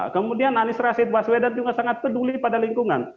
kemudian anies rashid baswedan juga sangat peduli pada lingkungan